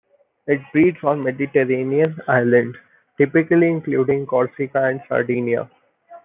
It breeds on Mediterranean islands, typically including Corsica and Sardinia.